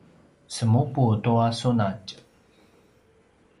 semupu tua sunatj